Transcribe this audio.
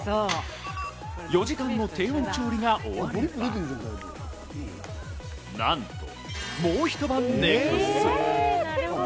４時間後、低温調理が終われば、なんと、もう一晩寝かす。